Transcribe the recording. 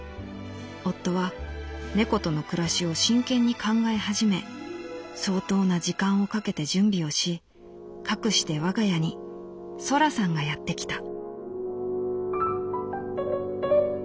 夫は猫との暮らしを真剣に考え始め相当な時間をかけて準備をしかくして我が家にそらさんがやってきた」。